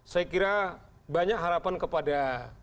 saya kira banyak harapan kepada